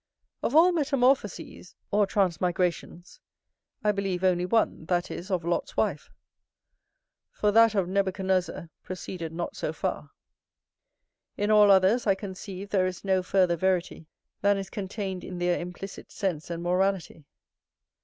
Of all metamorphoses or transmigrations, I believe only one, that is of Lot's wife; for that of Nabuchodonosor proceeded not so far. In all others I conceive there is no further verity than is contained in their implicit sense and morality.